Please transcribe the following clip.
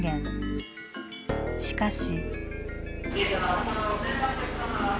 しかし。